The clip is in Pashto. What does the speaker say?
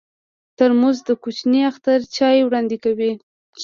ترموز د کوچني اختر چای وړاندې کوي.